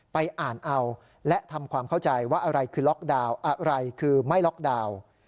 ไปอ่านเอาและทำความเข้าใจว่าอะไรคือไม่ล็อกดาวน์